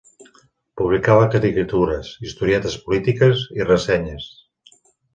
Publicava caricatures, historietes polítiques i ressenyes.